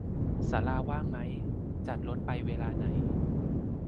ศาลาว่างไหม จัดรถไปเวลาไหน